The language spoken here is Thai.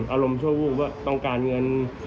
อารมณ์ชั่ววูบว่าต้องการเงิน